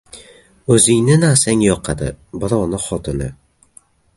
• O‘zingning narsang yoqadi, birovning ― xotini.